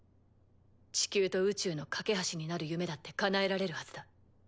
地球と宇宙の懸け橋になる夢だってかなえられるはずだ。